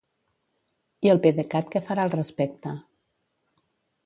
I el PDECat que farà al respecte?